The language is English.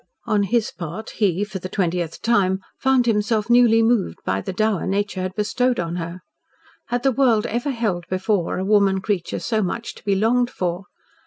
On his part, he for the twentieth time found himself newly moved by the dower nature had bestowed on her. Had the world ever held before a woman creature so much to be longed for?